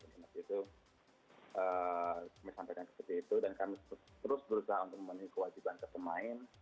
kami sampai ke situ dan kami terus berusaha untuk memenuhi kewajiban ketemain